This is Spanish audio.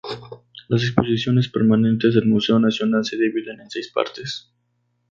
Las exposiciones permanentes del Museo Nacional se dividen en seis partes.